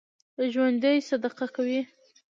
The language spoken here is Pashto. ژوندي صدقه کوي